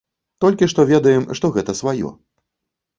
Толькі што ведаем, што гэта сваё.